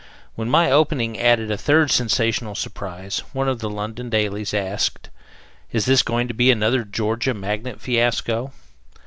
When my opening added a third sensational surprise, one of the London dailies asked, "Is this going to be another Georgia Magnet fiasco?"